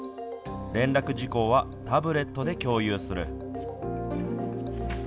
連絡事項はタブレットで共有する。